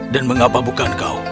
dan mengapa bukan kau